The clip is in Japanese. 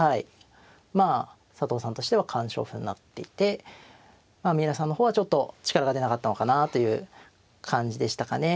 まあ佐藤さんとしては完勝譜になっていて三浦さんの方はちょっと力が出なかったのかなという感じでしたかね。